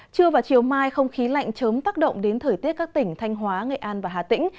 trưa và chiều mai không khí lạnh chớm tác động đến thời tiết các tỉnh thanh hóa nghệ an và hà tĩnh